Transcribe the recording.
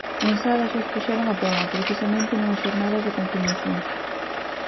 En Sada xa os puxeron a proba, precisamente nunhas xornadas de conciliación.